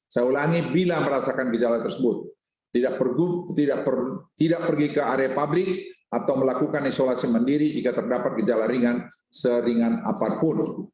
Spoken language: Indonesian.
saya ulangi bila merasakan gejala tersebut tidak pergi ke area pabrik atau melakukan isolasi mandiri jika terdapat gejala ringan seringan apapun